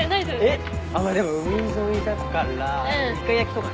えっ海沿いだからいか焼きとか。